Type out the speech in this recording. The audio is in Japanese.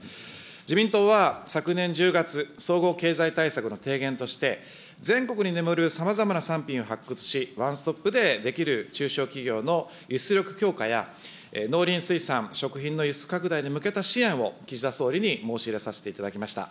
自民党は昨年１０月、総合経済対策の提言として、全国に眠るさまざまな産品を発掘し、ワンストップでできる中小企業の輸出力強化や、農林水産、食品の輸出拡大に向けた支援を岸田総理に申し入れさせていただきました。